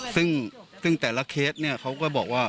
ซึ่งแต่ละเคสเนี่ยเขาก็บอกว่า